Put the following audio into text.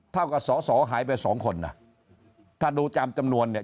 เท่ากับสอหายไป๒คนน่ะถ้าดูจำจำนวนเนี่ย